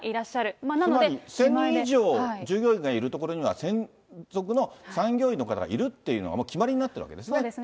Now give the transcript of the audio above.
つまり１０００人以上従業員がいるところには専属の産業医の方がいるというのが、決まりになってるわけですね。